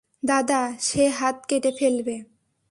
দাদা, সে হাত কেটে ফেলবে।